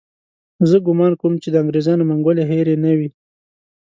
زه ګومان کوم چې د انګریزانو منګولې هېرې نه وي.